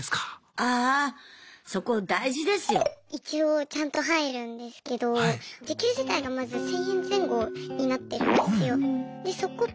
ああ一応ちゃんと入るんですけど時給自体がまず１０００円前後になってるんですよ。